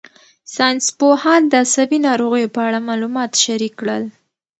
ساینسپوهان د عصبي ناروغیو په اړه معلومات شریک کړل.